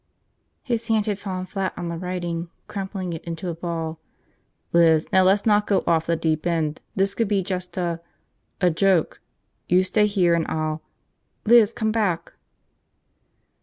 His hand had fallen flat on the writing, crumpling it into a ball. "Liz, now let's not go off the deep end. This could be just a. .. a joke. You stay here and I'll ... Liz, come back!"